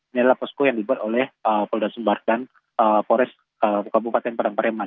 ini adalah posko yang dibuat oleh polda sumbar dan pores kabupaten padang pareman